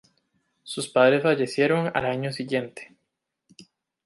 Sus padres fallecieron al año siguiente.